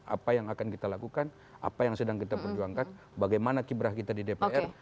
apa yang akan kita lakukan apa yang sedang kita perjuangkan bagaimana kibrah kita di dpr